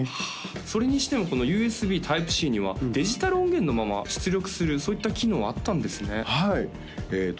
それにしてもこのＵＳＢｔｙｐｅ−Ｃにはデジタル音源のまま出力するそういった機能あったんですねはいえっと